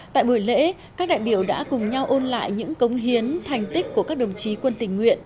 tại buổi lễ các đại biểu đã cùng nhau ôn lại những cống hiến thành tích của các đồng chí quân tình nguyện